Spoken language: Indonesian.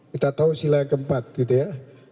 kita tahu silah yang keempat gitu ya